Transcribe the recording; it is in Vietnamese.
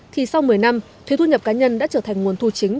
thì sau một mươi năm thuế thu nhập cá nhân đã trở thành nguồn thu chính